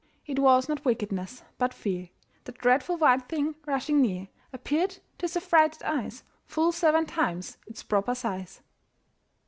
It was not wickedness, but fear. That dreadful white thing rushing near Appeared to his affrighted eyes Full seven times its proper size.